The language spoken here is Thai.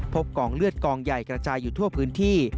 กองเลือดกองใหญ่กระจายอยู่ทั่วพื้นที่